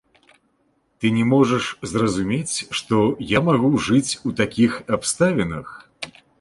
Ты не можаш зразумець, што я магу жыць у такіх абставінах?